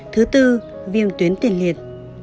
thứ tư viêm tuyến tiền liệt